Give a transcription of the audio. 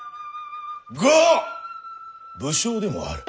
が武将でもある。